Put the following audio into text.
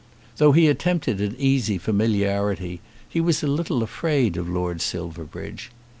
Though he attempted an easy familiarity, he was a little afraid of Lord Silverbridge.